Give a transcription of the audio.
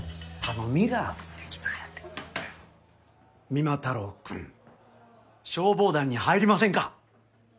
三馬太郎くん消防団に入りませんか？